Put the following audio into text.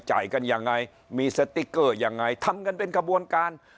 จ่ายกันยังไงมีสติ๊กเกอร์ยังไงทำกันเป็นขบวนการ